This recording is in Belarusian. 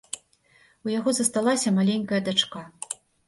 У яго засталася маленькая дачка.